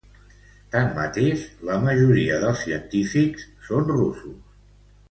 Tanmateix la majoria dels científics són russos.